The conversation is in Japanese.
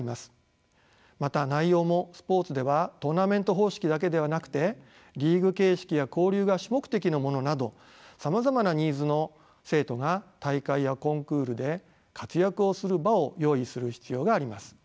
また内容もスポーツではトーナメント方式だけではなくてリーグ形式や交流が主目的のものなどさまざまなニーズの生徒が大会やコンクールで活躍をする場を用意する必要があります。